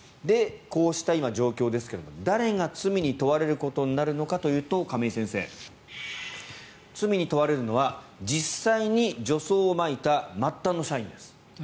こうした今、状況ですが誰が罪に問われることになるのかというと亀井先生、罪に問われるのは実際に除草剤をまいた末端の社員です。